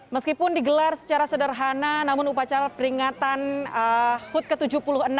meskipun digelar secara sederhana namun upacara peringatan hut ke tujuh puluh enam